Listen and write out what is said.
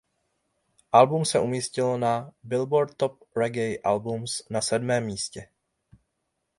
Album se umístilo na "Billboard Top Reggae Albums" na sedmém místě.